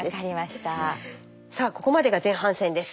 さあここまでが前半戦です。